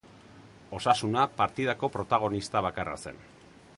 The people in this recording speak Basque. Osasuna partidako protagonista bakarra zen.